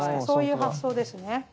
そういう発想ですね。